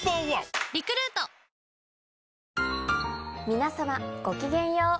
皆さまごきげんよう。